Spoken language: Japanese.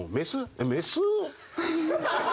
えっメス？